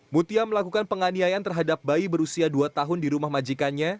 mutia melakukan penganiayaan terhadap bayi berusia dua tahun di rumah majikannya